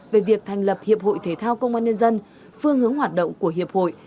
về việc thành lập hiệp hội thể thao công an nhân dân phương hướng hoạt động của hiệp hội